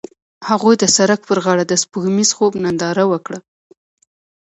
هغوی د سړک پر غاړه د سپوږمیز خوب ننداره وکړه.